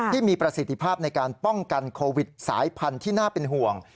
ที่มีประสิทธิภาพในการป้องกันโควิดสายพันธุ์ที่น่าเป็นห่วง